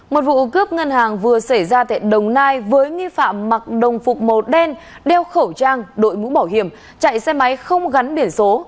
một vụ cướp ngân hàng vừa xảy ra tại đồng nai với nghi phạm mặc đồng phục màu đen đeo khẩu trang đội mũ bảo hiểm chạy xe máy không gắn biển số